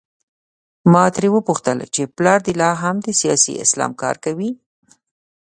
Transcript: ما ترې وپوښتل چې پلار دې لا هم د سیاسي اسلام کار کوي؟